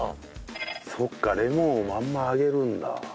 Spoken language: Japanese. そっかレモンをまんま揚げるんだ。